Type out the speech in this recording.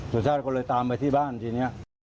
สุชาติก็เลยตามไปที่บ้านทีนี้